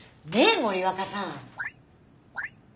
森若さん